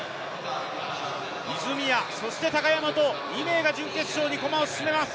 泉谷、そして高山と２名が準決勝に駒を進めます。